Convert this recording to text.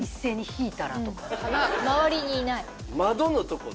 周りにいない。